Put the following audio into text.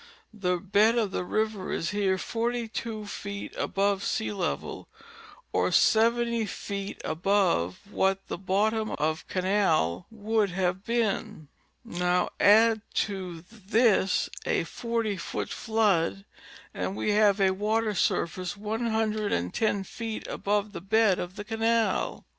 The bed of the river is here "42 feet above sea level, or 70 feet above what the bottom of canal would have been. Now add to 312 National Geographic Magazine. this a 40 foot flood and we have a water surface one hundred and ten feet above the bed of the canal.